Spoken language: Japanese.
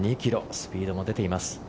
スピードも出ています。